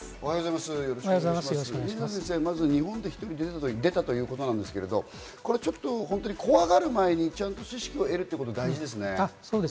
水野先生、まず日本で出たということですけれど、本当に怖がる前にちゃんと知識を得るということ、大事ですね。